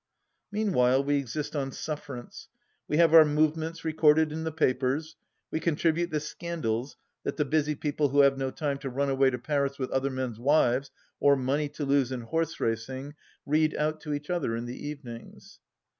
Meanwhile we exist on sufferance ; we have our movements recorded in the papers, we contribute the scandals that the busy people who have no time to run away to Paris with other men's wives or money to lose in horse racing, read out to each other in the evenings.